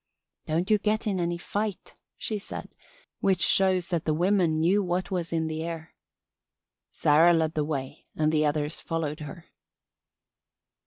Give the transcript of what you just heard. "'Don't you get in any fight,' she said, which shows that the women knew what was in the air. "Sarah led the way and the others followed her."